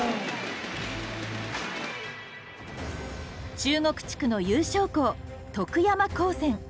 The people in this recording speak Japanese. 中国地区の優勝校徳山高専。